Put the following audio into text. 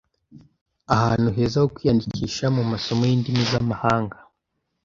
Ahantu heza ho kwiyandikisha mumasomo yindimi zamahanga?